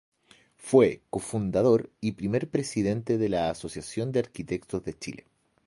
Fue co-Fundador y primer presidente de la Asociación de Arquitectos de Chile.